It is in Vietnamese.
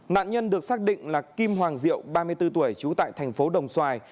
nạn nhân được xác định là kim hoàng diệu ba mươi bốn tuổi trú tại thành phố đồng xoài